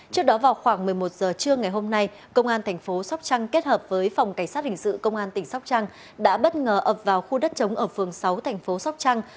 trước đó vào khoảng một mươi một giờ trưa ngày hôm nay công an tp sóc trăng kết hợp với phòng cảnh sát hình sự công an tp sóc trăng đã bất ngờ ập vào khu đất chống ở phường sáu tp sóc trăng